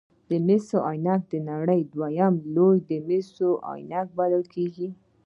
مس عینک د نړۍ دویم لوی د مسو کان بلل کیږي.